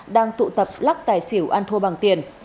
đang tụ tập lắc tài xỉu ăn thua bằng tiền